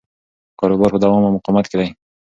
کاروبار په دوام او مقاومت کې دی.